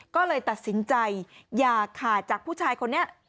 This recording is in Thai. ก็เลยตัดสินใจอย่าขาดจากผู้ชายคนนี้